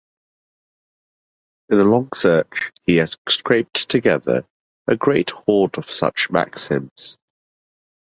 In the long search he has scraped together a great hoard of such maxims.